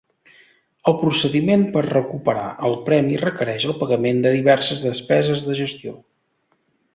El procediment per recuperar el premi requereix el pagament de diverses despeses de gestió.